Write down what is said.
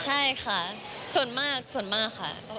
ใช่ค่ะส่วนมากส่วนมากค่ะ